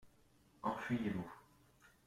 Enfuyez-vous.